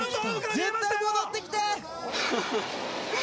・絶対戻ってきて！